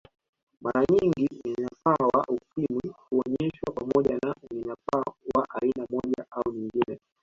Mara nyingi unyanyapaa wa Ukimwi huonyeshwa pamoja na unyanyapaa wa aina moja au nyingine